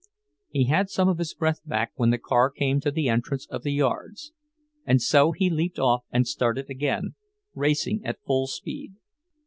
He had some of his breath back when the car came to the entrance of the yards, and so he leaped off and started again, racing at full speed.